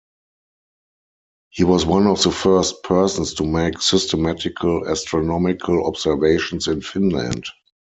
He was one of the first persons to make systematical astronomical observations in Finland.